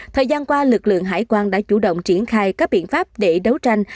thời gian qua lực lượng hải quan đã chủ động triển khai các biện pháp để đấu tranh